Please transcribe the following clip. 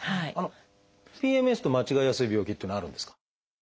ＰＭＳと間違えやすい病気っていうのはあるんですか？